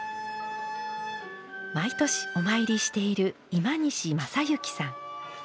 毎年お参りしている今西将之さん。